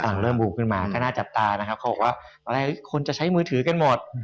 เริ่มบูมขึ้นมาก็น่าจับตานะครับเขาบอกว่าหลายคนจะใช้มือถือกันหมด